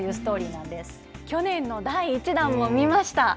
なん去年の第１弾も見ました。